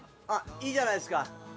いいじゃないですか。